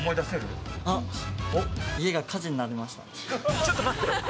ちょっと待って。